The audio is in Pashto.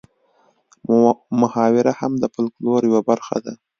محاوره هم د فولکلور یوه برخه ده